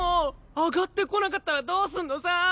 上がってこなかったらどうすんのさ！？